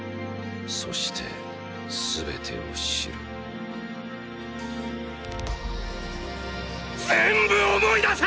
そして全てを知る全部思い出せ！！